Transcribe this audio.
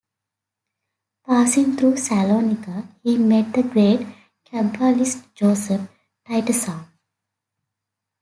Passing through Salonica, he met the great kabbalist Joseph Taitazak.